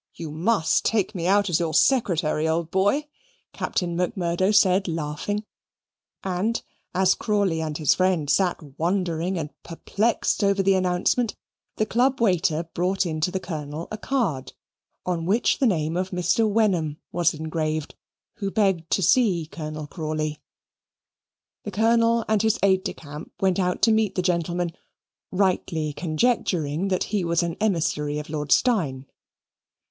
You must take me out as your secretary, old boy," Captain Macmurdo said laughing; and as Crawley and his friend sat wondering and perplexed over the announcement, the Club waiter brought in to the Colonel a card on which the name of Mr. Wenham was engraved, who begged to see Colonel Crawley. The Colonel and his aide de camp went out to meet the gentleman, rightly conjecturing that he was an emissary of Lord Steyne.